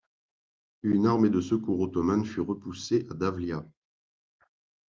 Une armée de secours ottomane fut repoussée à Davlia.